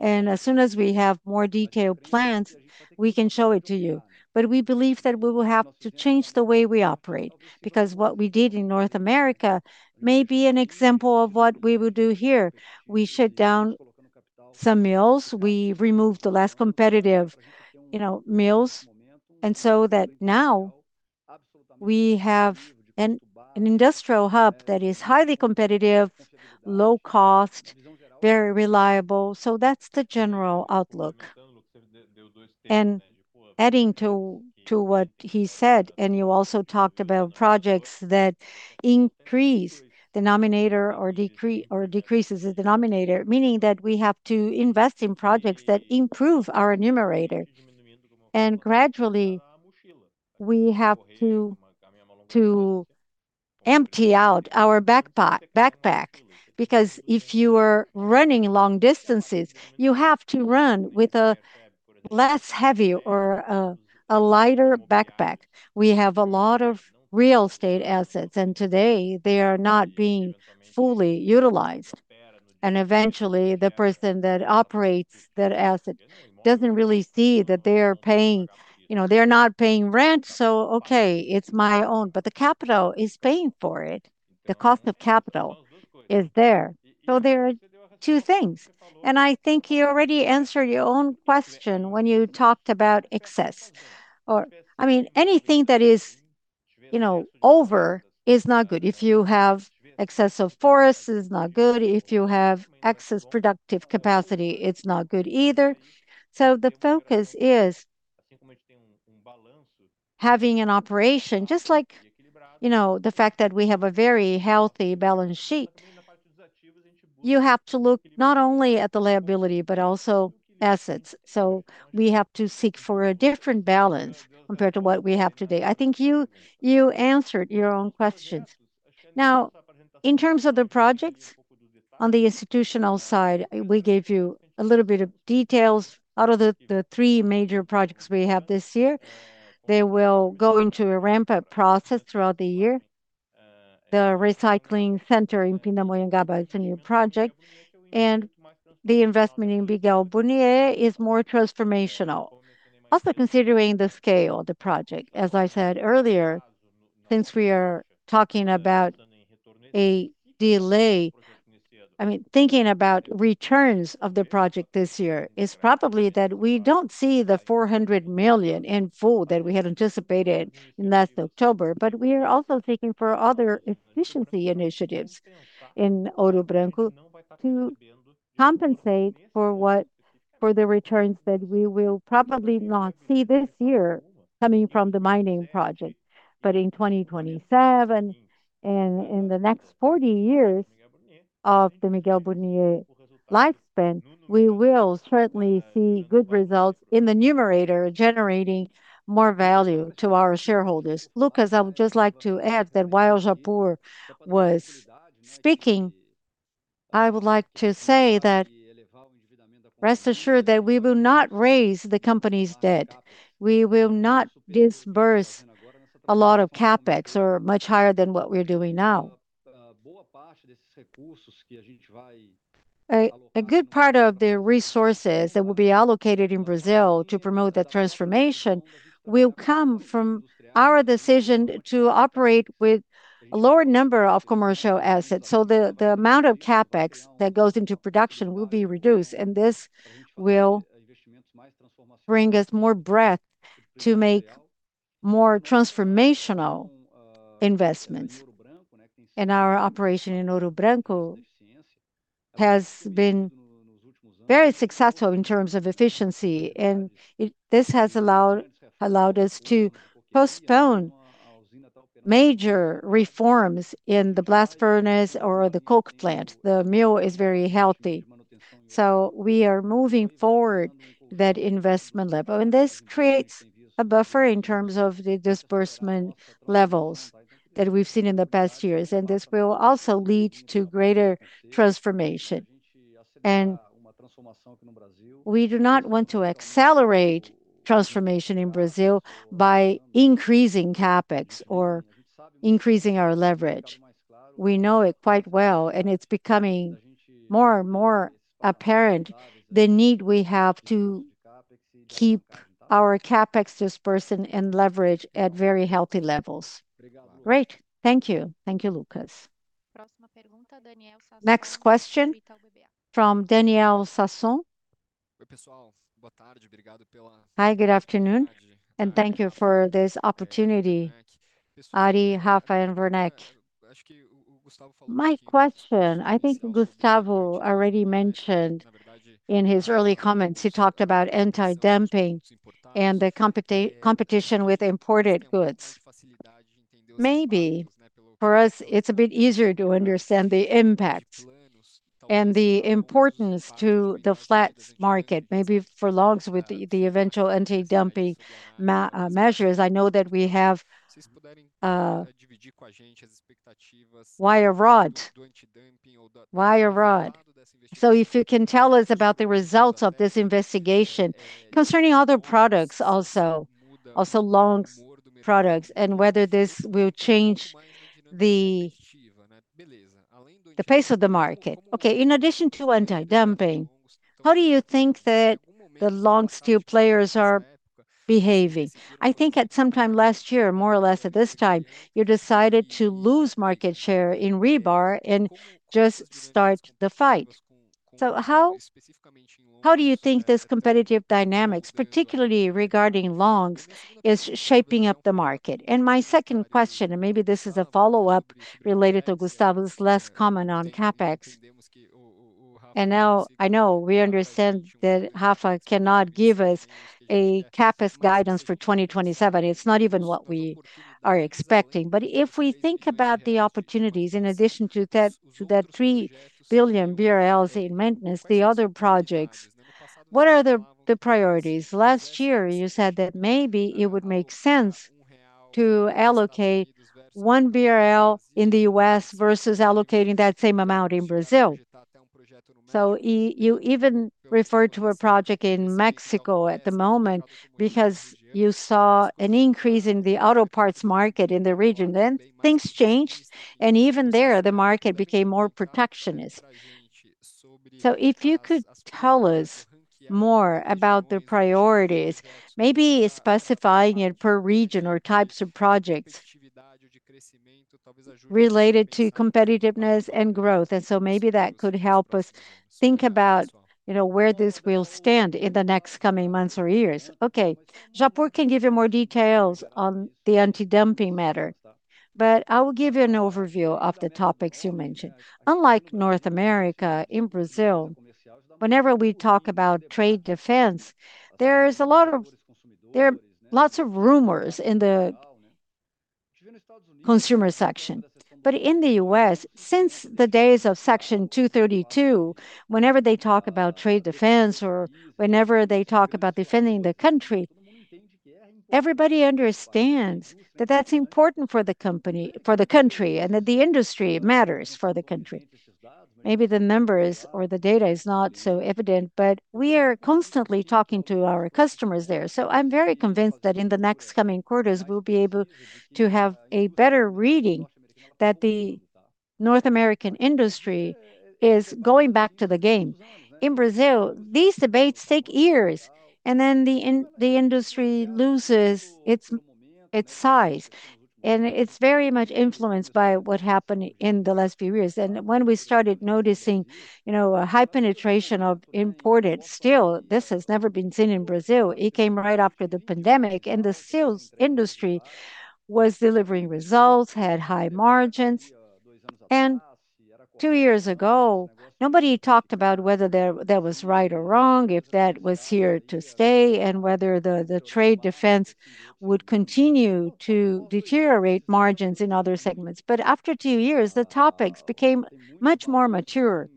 Speaker 2: As soon as we have more detailed plans, we can show it to you. We believe that we will have to change the way we operate because what we did in North America may be an example of what we will do here. We shut down some mills. We removed the less competitive, you know, mills. So that now we have an industrial hub that is highly competitive, low cost, very reliable. That's the general outlook. Adding to what he said, and you also talked about projects that increase denominator or decreases the denominator, meaning that we have to invest in projects that improve our numerator. Gradually we have to empty out our backpack because if you are running long distances, you have to run with a less heavy or a lighter backpack.
Speaker 3: We have a lot of real estate assets and today they are not being fully utilized. Eventually the person that operates that asset doesn't really see that they are paying, you know, they are not paying rent, so okay, it's my own, but the capital is paying for it. The cost of capital is there. There are two things, and I think you already answered your own question when you talked about excess. I mean, anything that is, you know, over is not good. If you have excess of forest, it's not good. If you have excess productive capacity, it's not good either. The focus is having an operation just like, you know, the fact that we have a very healthy balance sheet. You have to look not only at the liability, but also assets. We have to seek for a different balance compared to what we have today. I think you answered your own questions. In terms of the projects on the institutional side, we gave you a little bit of details out of the three major projects we have this year. They will go into a ramp-up process throughout the year. The recycling center in Pindamonhangaba, it's a new project, and the investment in Miguel Burnier is more transformational. Considering the scale of the project, as I said earlier, since we are talking about a delay, I mean, thinking about returns of the project this year is probably that we don't see the 400 million in full that we had anticipated last October. We are also seeking for other efficiency initiatives in Ouro Branco to compensate for the returns that we will probably not see this year coming from the mining project. In 2027 and in the next 40 years of the Miguel Burnier lifespan, we will certainly see good results in the numerator generating more value to our shareholders.
Speaker 2: Lucas, I would just like to add that while Japur was speaking, I would like to say that rest assured that we will not raise the company's debt. We will not disburse a lot of CapEx or much higher than what we're doing now. A good part of the resources that will be allocated in Brazil to promote the transformation will come from our decision to operate with a lower number of commercial assets. The amount of CapEx that goes into production will be reduced. This will bring us more breadth to make more transformational investments. Our operation in Ouro Branco has been very successful in terms of efficiency, and this has allowed us to postpone major reforms in the blast furnace or the coke plant. The mill is very healthy. We are moving forward that investment level. This creates a buffer in terms of the disbursement levels that we've seen in the past years. This will also lead to greater transformation. We do not want to accelerate transformation in Brazil by increasing CapEx or increasing our leverage. We know it quite well. It's becoming more and more apparent the need we have to keep our CapEx disbursement and leverage at very healthy levels.
Speaker 8: Great. Thank you.
Speaker 2: Thank you, Lucas.
Speaker 1: Next question from Daniel Sasson.
Speaker 9: Hi, good afternoon, and thank you for this opportunity, Ari, Rafa, and Werneck. My question, I think Gustavo already mentioned in his early comments. He talked about anti-dumping and the competition with imported goods. Maybe for us it's a bit easier to understand the impact and the importance to the flats market, maybe for longs with the eventual anti-dumping measures. I know that we have wire rod. If you can tell us about the results of this investigation concerning other products also longs products, and whether this will change the pace of the market. In addition to anti-dumping, how do you think that the long steel players are behaving? I think at some time last year, more or less at this time, you decided to lose market share in rebar and just start the fight. How do you think this competitive dynamics, particularly regarding longs, is shaping up the market? My second question, and maybe this is a follow-up related to Gustavo Werneck's last comment on CapEx. Now I know we understand that Rafa cannot give us a CapEx guidance for 2027. It's not even what we are expecting. If we think about the opportunities in addition to that, to that 3 billion BRL in maintenance, the other projects, what are the priorities? Last year you said that maybe it would make sense to allocate 1 BRL in the U.S. versus allocating that same amount in Brazil. You even referred to a project in Mexico at the moment because you saw an increase in the auto parts market in the region. Things changed, and even there the market became more protectionist. If you could tell us more about the priorities, maybe specifying it per region or types of projects related to competitiveness and growth. Maybe that could help us think about, you know, where this will stand in the next coming months or years.
Speaker 2: Okay. Japur can give you more details on the anti-dumping matter, but I will give you an overview of the topics you mentioned. Unlike North America, in Brazil, whenever we talk about trade defense, there are lots of rumors in the consumer section. In the U.S., since the days of Section 232, whenever they talk about trade defense or whenever they talk about defending the country, everybody understands that that's important for the company for the country, and that the industry matters for the country. Maybe the numbers or the data is not so evident, but we are constantly talking to our customers there. I'm very convinced that in the next coming quarters we'll be able to have a better reading that the North American industry is going back to the game. In Brazil, these debates take years, and then the industry loses its size, and it's very much influenced by what happened in the last few years. When we started noticing, you know, a high penetration of imported steel, this has never been seen in Brazil. It came right after the pandemic, and the steel industry was delivering results, had high margins. two years ago, nobody talked about whether that was right or wrong, if that was here to stay, and whether the trade defense would continue to deteriorate margins in other segments. After two years, the topics became much more mature.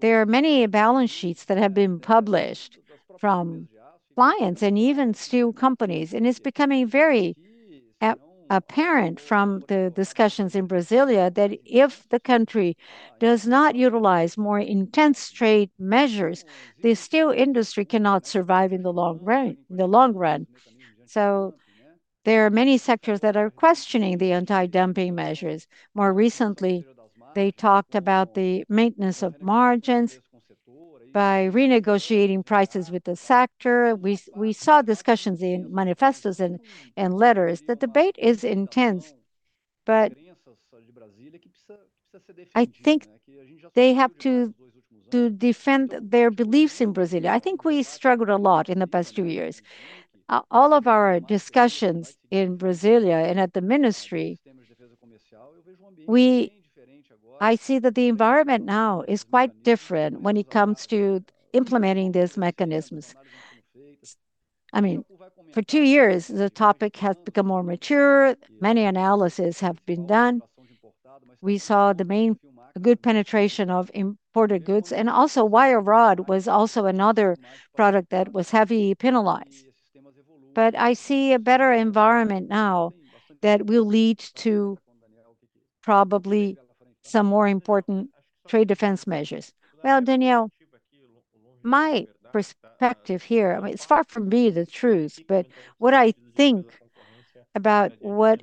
Speaker 2: There are many balance sheets that have been published from clients and even steel companies, and it's becoming very apparent from the discussions in Brasilia that if the country does not utilize more intense trade measures, the steel industry cannot survive in the long run. There are many sectors that are questioning the anti-dumping measures. More recently, they talked about the maintenance of margins by renegotiating prices with the sector. We saw discussions in manifestos and letters. The debate is intense. I think they have to defend their beliefs in Brasilia. I think we struggled a lot in the past two years. All of our discussions in Brasilia and at the ministry, I see that the environment now is quite different when it comes to implementing these mechanisms. I mean, for two years, the topic has become more mature. Many analyses have been done. We saw a good penetration of imported goods, and also wire rod was also another product that was heavy penalized. I see a better environment now that will lead to probably some more important trade defense measures. Well, Daniel, my perspective here, I mean, it's far from being the truth, but what I think about what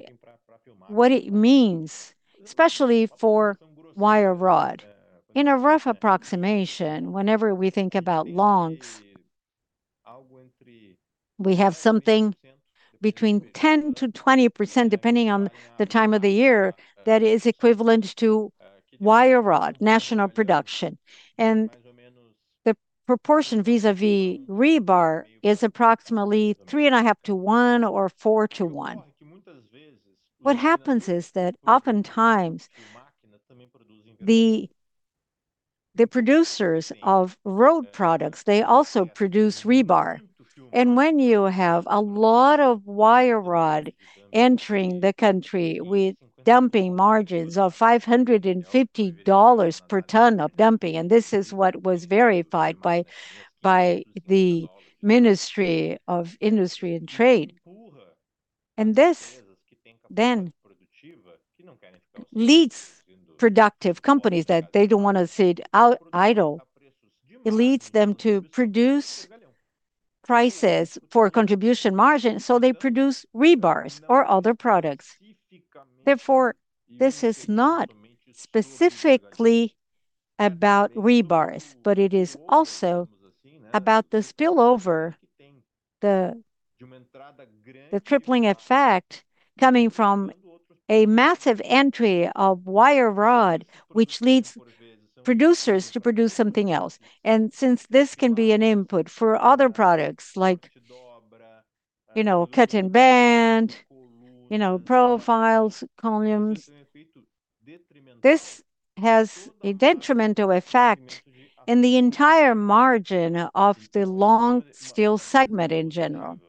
Speaker 2: it means, especially for wire rod. In a rough approximation, whenever we think about longs, we have something between 10%-20%, depending on the time of the year, that is equivalent to wire rod national production. The proportion vis-à-vis rebar is approximately 3.5 to one or four to one. What happens is that oftentimes the producers of rod products, they also produce rebar. When you have a lot of wire rod entering the country with dumping margins of $550 per ton of dumping, this is what was verified by the Ministry of Industry and Trade. This then leads productive companies that they don't wanna sit idle. It leads them to produce prices for contribution margin, so they produce rebars or other products. Therefore, this is not specifically about rebar, but it is also about the spillover, the tripling effect coming from a massive entry of wire rod, which leads producers to produce something else. Since this can be an input for other products like, you know, cut and bend, you know, profiles, columns, this has a detrimental effect in the entire margin of the long steel segment in general.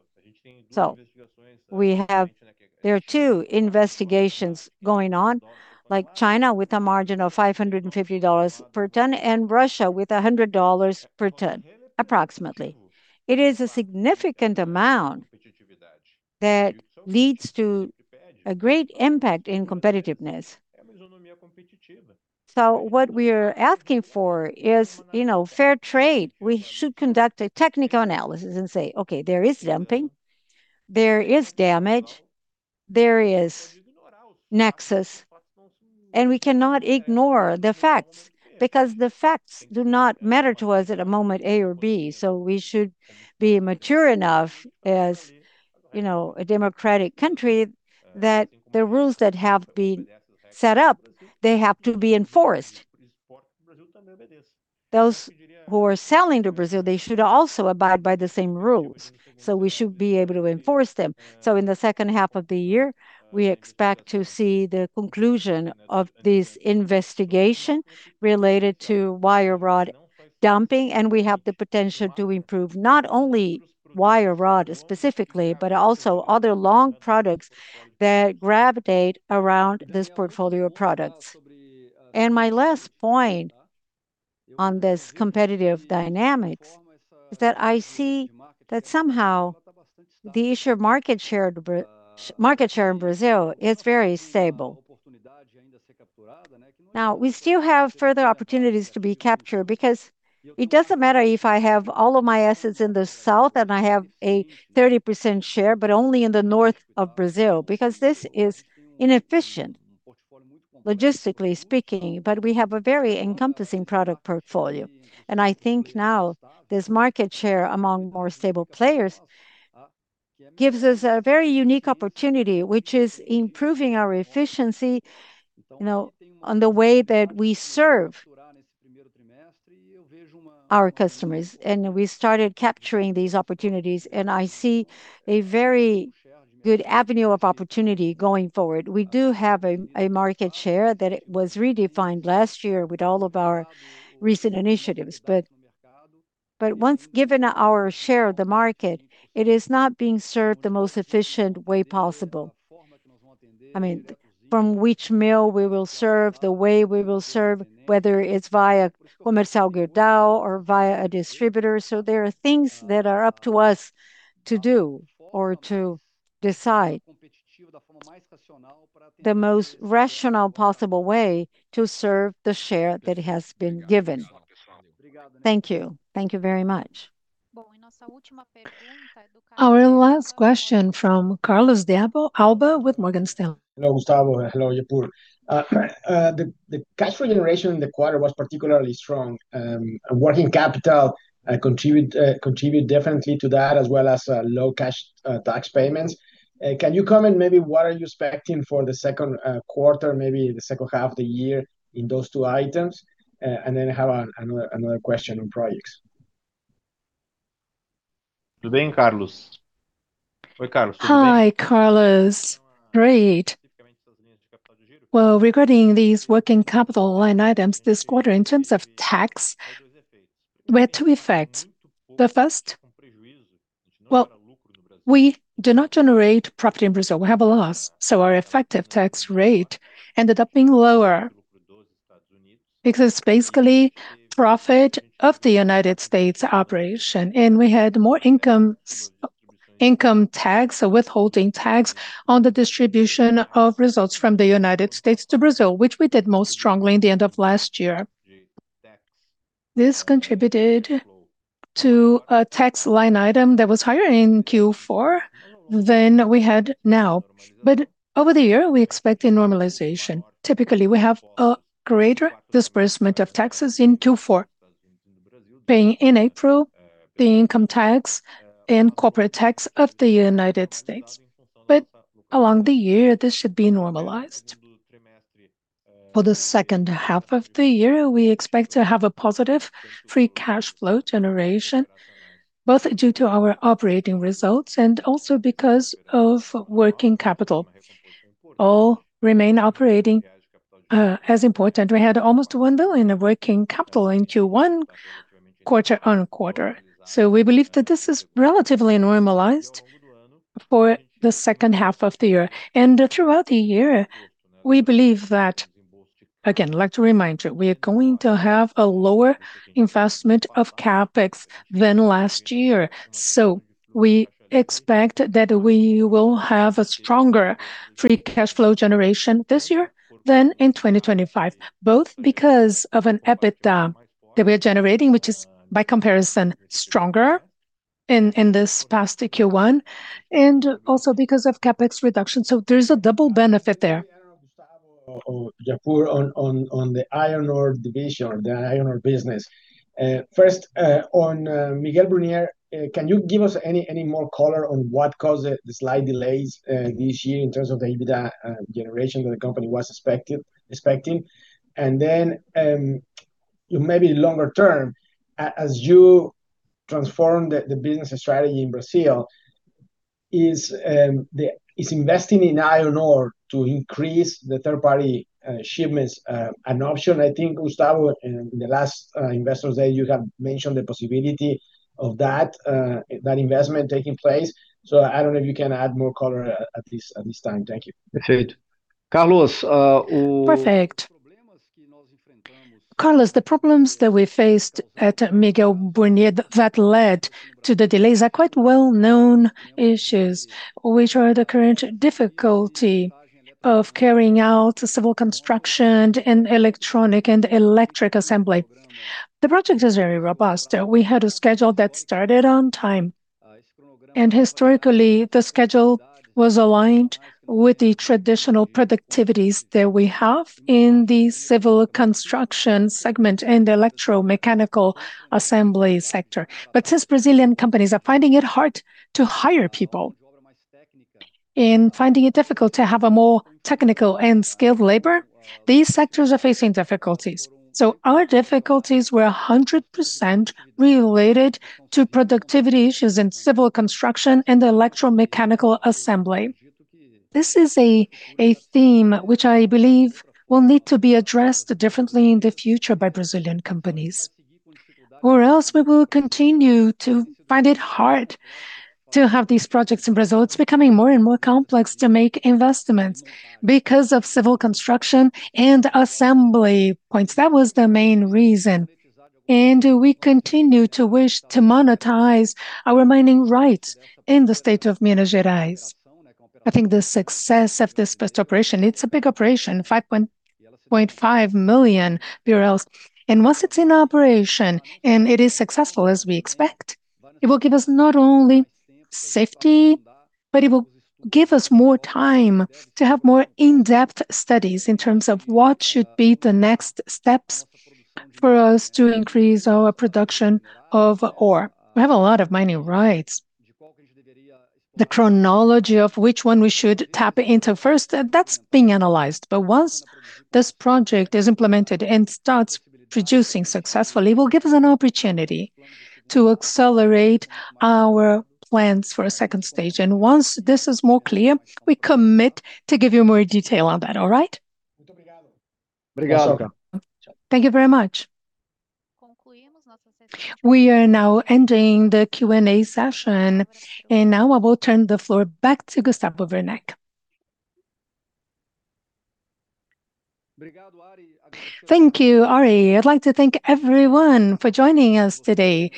Speaker 2: There are two investigations going on, like China with a margin of BRL 550 per ton and Russia with BRL 100 per ton approximately. It is a significant amount that leads to a great impact in competitiveness. What we are asking for is, you know, fair trade. We should conduct a technical analysis and say, "Okay, there is dumping, there is damage, there is nexus." We cannot ignore the facts because the facts do not matter to us at a moment A or B, so we should be mature enough as, you know, a democratic country that the rules that have been set up, they have to be enforced. Those who are selling to Brazil, they should also abide by the same rules, so we should be able to enforce them. In the second half of the year, we expect to see the conclusion of this investigation related to wire rod dumping. We have the potential to improve not only wire rod specifically, but also other long products that gravitate around this portfolio of products. My last point on this competitive dynamics is that I see that somehow the issue of market share to market share in Brazil is very stable. We still have further opportunities to be captured because it doesn't matter if I have all of my assets in the south and I have a 30% share, but only in the north of Brazil, because this is inefficient, logistically speaking, but we have a very encompassing product portfolio. I think now this market share among more stable players gives us a very unique opportunity, which is improving our efficiency, you know, on the way that we serve our customers. We started capturing these opportunities, and I see a very good avenue of opportunity going forward. We do have a market share that it was redefined last year with all of our recent initiatives. But once given our share of the market, it is not being served the most efficient way possible. I mean, from which mill we will serve, the way we will serve, whether it's via Comercial Gerdau or via a distributor. There are things that are up to us to do or to decide the most rational possible way to serve the share that has been given.
Speaker 9: Thank you.
Speaker 2: Thank you very much.
Speaker 1: Our last question from Carlos de Alba with Morgan Stanley.
Speaker 10: Hello, Gustavo. Hello, Japur. The cash flow generation in the quarter was particularly strong. Working capital contribute definitely to that as well as low cash tax payments. Can you comment maybe what are you expecting for the second quarter, maybe the second half of the year in those two items? I have another question on projects.
Speaker 3: Hi, Carlos. Great. Well, regarding these working capital line items this quarter in terms of tax, we had two effects. The first, well, we do not generate profit in Brazil. We have a loss, so our effective tax rate ended up being lower because basically profit of the United States operation, and we had more income. Income tax, so withholding tax on the distribution of results from the U.S. to Brazil, which we did most strongly in the end of last year. This contributed to a tax line item that was higher in Q4 than we had now. Over the year, we expect a normalization. Typically, we have a greater disbursement of taxes in Q4, paying in April the income tax and corporate tax of the U.S. Along the year, this should be normalized. For the second half of the year, we expect to have a positive Free Cash Flow generation, both due to our operating results and also because of working capital. All remain operating as important. We had almost 1 billion of working capital in Q1, quarter-on-quarter. We believe that this is relatively normalized for the second half of the year. Throughout the year, we believe that again, I'd like to remind you, we are going to have a lower investment of CapEx than last year. We expect that we will have a stronger Free Cash Flow generation this year than in 2025, both because of an EBITDA that we are generating, which is by comparison stronger in this past Q1, and also because of CapEx reduction. There's a double benefit there.
Speaker 10: Gustavo or Japur on the iron ore division or the iron ore business. First, on Miguel Burnier, can you give us any more color on what caused the slight delays this year in terms of the EBITDA generation that the company was expecting? Then, maybe longer term, as you transform the business strategy in Brazil, is investing in iron ore to increase the third party shipments an option? I think Gustavo in the last Investors Day you have mentioned the possibility of that investment taking place. I don't know if you can add more color at this time. Thank you.
Speaker 2: Carlos, Perfect. Carlos, the problems that we faced at Miguel Burnier that led to the delays are quite well-known issues, which are the current difficulty of carrying out civil construction and electronic and electric assembly. The project is very robust. Historically the schedule was aligned with the traditional productivities that we have in the civil construction segment and electromechanical assembly sector. Since Brazilian companies are finding it hard to hire people and finding it difficult to have a more technical and skilled labor, these sectors are facing difficulties. Our difficulties were 100% related to productivity issues in civil construction and electromechanical assembly. This is a theme which I believe will need to be addressed differently in the future by Brazilian companies, else we will continue to find it hard to have these projects in Brazil. It's becoming more and more complex to make investments because of civil construction and assembly points. That was the main reason. We continue to wish to monetize our mining rights in the state of Minas Gerais. I think the success of this first operation, it's a big operation, 5.5 million barrels. Once it's in operation and it is successful as we expect, it will give us not only safety, but it will give us more time to have more in-depth studies in terms of what should be the next steps for us to increase our production of ore. We have a lot of mining rights. The chronology of which one we should tap into first, that's being analyzed. Once this project is implemented and starts producing successfully, it will give us an opportunity to accelerate our plans for a second stage. Once this is more clear, we commit to give you more detail on that. All right?
Speaker 10: Thank you.
Speaker 1: Thank you very much. We are now ending the Q&A session, and now I will turn the floor back to Gustavo Werneck.
Speaker 2: Thank you, Ari. I'd like to thank everyone for joining us today.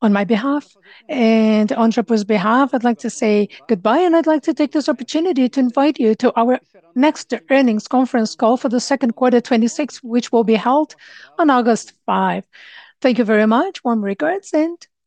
Speaker 2: On my behalf and on Japur's behalf, I'd like to say goodbye, and I'd like to take this opportunity to invite you to our next earnings conference call for the second quarter 2026, which will be held on August 5. Thank you very much. Warm regards and take care.